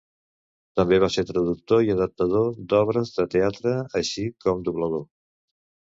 També va ser traductor i adaptador d'obres de teatre, així com doblador.